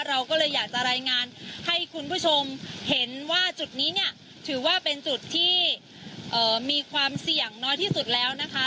เราก็เลยอยากจะรายงานให้คุณผู้ชมเห็นว่าจุดนี้เนี่ยถือว่าเป็นจุดที่มีความเสี่ยงน้อยที่สุดแล้วนะคะ